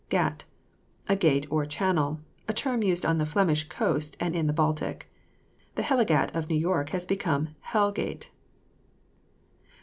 GATT. A gate or channel, a term used on the Flemish coast and in the Baltic. The Hellegat of New York has become Hell Gate.